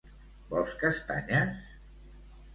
Vols castanyes?